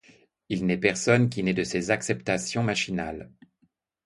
Il n'est personne qui n'ait de ces acceptations machinales.